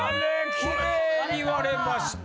きれいに割れました